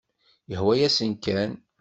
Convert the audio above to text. Yehwa-yasen kan.